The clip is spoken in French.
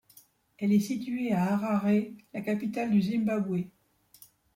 Elle est située à Harare, la capitale du Zimbabwe.